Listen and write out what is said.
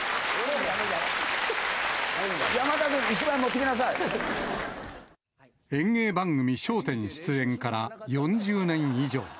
山田君、演芸番組、笑点に出演から４０年以上。